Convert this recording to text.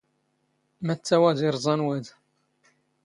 ⵎⴰⵜⵜⴰ ⵡⴰⴷ ⵉⵕⵥⴰⵏ ⵡⴰⴷ?